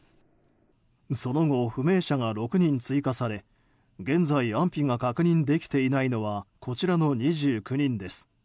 その後、不明者が６人追加され現在、安否が確認できてないのはこちらの２９人です。